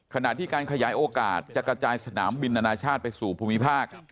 ขณะที่การขยายโอกาสจะกระจายสนามบินนานาชาติไปสู่ภูมิภาค